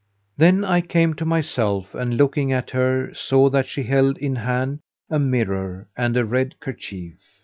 Then I came to myself and looking at her, saw that she held in hand a mirror and a red kerchief.